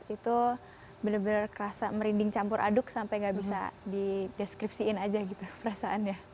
itu benar benar merinding campur aduk sampai nggak bisa dideskripsiin aja gitu perasaannya